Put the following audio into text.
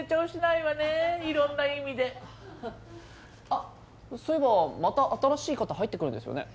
あっそういえばまた新しい方入ってくるんですよね？